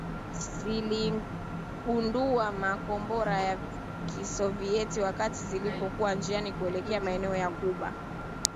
ziligundua makombora ya kisovieti wakati zilipokuwa njiani kuelekea maeneo ya Cuba